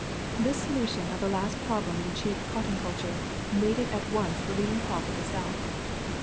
] This solution of the last problem in cheap cotton culture made it at once the leading crop of the South.